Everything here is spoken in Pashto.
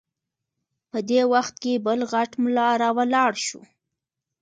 په دې وخت کې بل غټ ملا راولاړ شو.